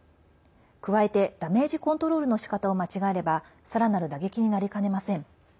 加えてダメージコントロールのしかたを間違えればさらなる打撃になりかねません。